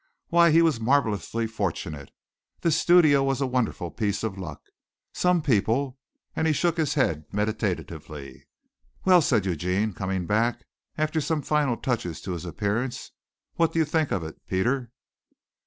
Why he was marvellously fortunate. This studio was a wonderful piece of luck. Some people and he shook his head meditatively. "Well," said Eugene, coming back after some final touches to his appearance, "what do you think of it, Peter?"